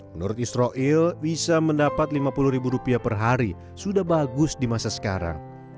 menurut israel bisa mendapat lima puluh ribu rupiah per hari sudah bagus di masa sekarang